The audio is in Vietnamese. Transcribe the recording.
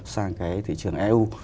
sang cái thị trường eu